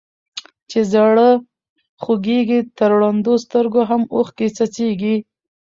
چي زړه خوږيږي تر ړندو سترګو هم اوښکي څڅيږي.